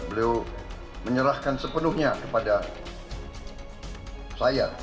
beliau menyerahkan sepenuhnya kepada saya